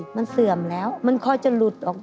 มันเสื่อมแล้วมันค่อยจะหลุดออก